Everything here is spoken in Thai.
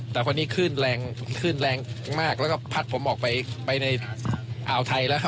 แต่วันนี้ขึ้นแรงมากแล้วก็พัดผมออกไปอ่าวไทยแล้วค่ะ